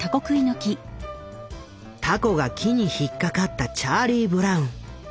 凧が木に引っ掛かったチャーリー・ブラウン。